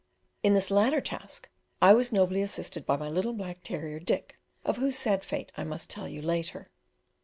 In this latter task I was nobly assisted by my little black terrier Dick, of whose sad fate I must tell you later.